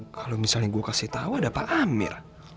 kalau misalnya gue kasih tau ada pak amir